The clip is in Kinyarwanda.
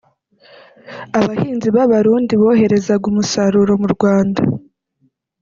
Abahinzi b’Abarundi boherezaga umusaruro mu Rwanda